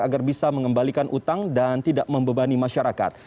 agar bisa mengembalikan utang dan tidak membebani masyarakat